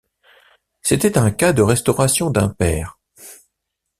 C’était un cas de restauration d’un pair.